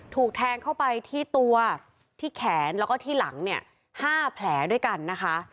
ถูกแทงเข้าไปที่ตัวที่แขนแล้วก็ที่หลังเนี่ย๕แผลด้วยกันนะคะ